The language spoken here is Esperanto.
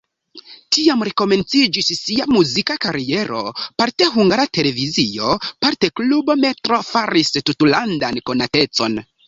Tiam komenciĝis sia muzika kariero, parte Hungara Televizio, parte klubo "Metro" faris tutlandan konatecon.